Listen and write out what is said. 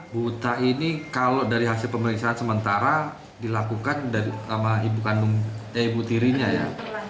buta ini kalau dari hasil pemeriksaan sementara dilakukan sama ibu tirinya ya